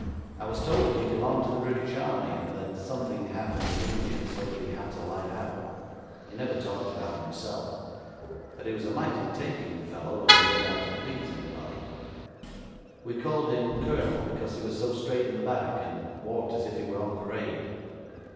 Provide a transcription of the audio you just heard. I was told he belonged to the British army, and that something happened in India so that he had to light out He never talked about himself, but he was a mighty taking fellow when he laid out to please anybody. We called him Colonel because he was so straight in the back, and walked as if he were on parade.